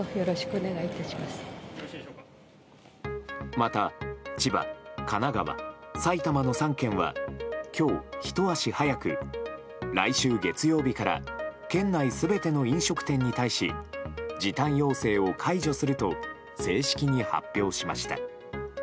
また千葉、神奈川、埼玉の３県は、今日ひと足早く来週月曜日から県内全ての飲食店に対し時短要請を解除すると正式に発表しました。